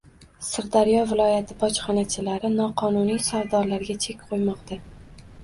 Sirdaryo viloyati bojxonachilari noqonuniy savdolarga chek qo‘ymoqda